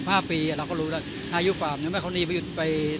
มันควรจะไปทำไมออกไม่ได้